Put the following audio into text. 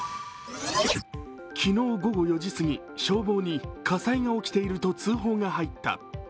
昨日午後４時過ぎ、消防に火災が起きていると通報が入った。